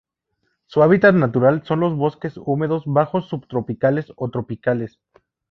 Su hábitat natural son los bosques húmedos bajos subtropicales o tropicales.